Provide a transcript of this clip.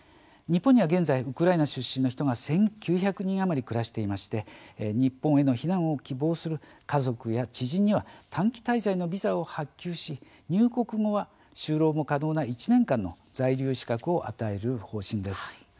日本には、現在ウクライナ出身の人が１９００人余り暮らしていまして日本への避難を希望する家族や知人には短期滞在のビザを発給し入国後は、就労も可能な１年間の在留資格を与える方針です。